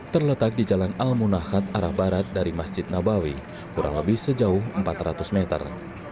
terletak di jalan al munahad arah barat dari masjid nabawi kurang lebih sejauh empat ratus meter